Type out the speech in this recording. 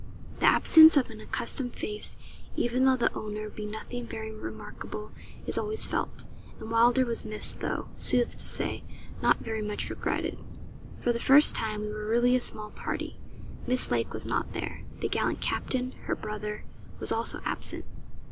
The absence of an accustomed face, even though the owner be nothing very remarkable, is always felt; and Wylder was missed, though, sooth to say, not very much regretted. For the first time we were really a small party. Miss Lake was not there. The gallant captain, her brother, was also absent.